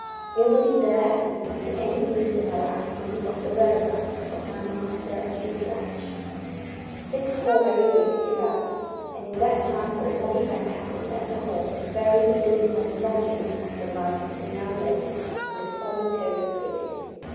Nobody there had received any news in our absence of the whereabouts of my master and his yacht. Six more weary weeks elapsed, and in that time but one event happened at the Hall to vary the dismal monotony of the lives we now led in the solitary place.